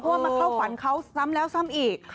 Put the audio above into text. พูดมาเข้าฝันเขาซ้ำแล้วซ้ำอีก